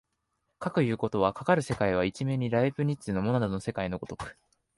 かくいうことは、かかる世界は一面にライプニッツのモナドの世界の如く